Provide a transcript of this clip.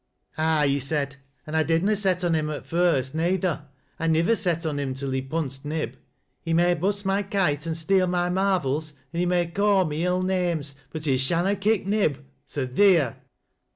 " Aye," he said, " an' I did na set on him at first ney ther. I nivver set on him till he punsed Nib. He maj bust my kite, an' steal my marvels, an' he may ca' me HI names, but he shanna kick Nib. So theer !